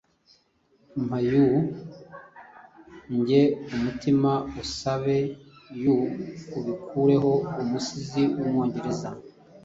Mpa yuh njye umutima usabe yuh ubikureho Umusizi w’Ubwongereza